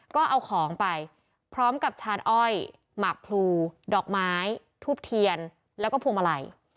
ก็เอาของไปพร้อมกับชานอ้อยหมากพลูดอกไม้ทูบเทียนแล้วก็พวงมาลัย